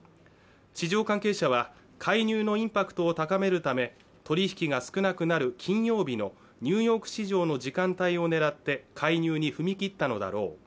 市場関係者は介入のインパクトを高めるため取引が少なくなる金曜日のニューヨーク市場の時間帯を狙って介入に踏み切ったのだろう